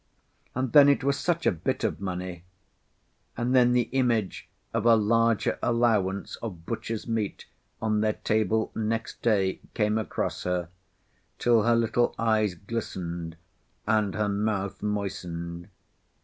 And then it was such a bit of money! and then the image of a larger allowance of butcher's meat on their table next day came across her, till her little eyes glistened, and her mouth moistened.